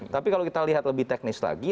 tapi kalau kita lihat lebih teknis lagi